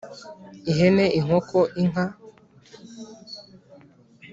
ihene, inkoko, inka.